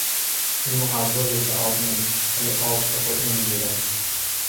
این مقوا ضد آب نیست ولی آب به خود نمیگیرد.